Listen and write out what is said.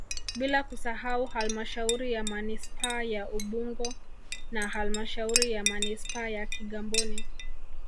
Bila kusahau halmashauri ya manispaa ya Ubungo na halmashauri ya manispaa ya Kigamboni